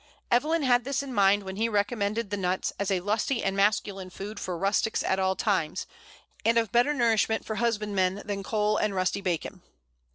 Evelyn had this in mind when he recommended the nut as "a lusty and masculine food for rustics at all times, and of better nourishment for husbandmen than cole and rusty bacon."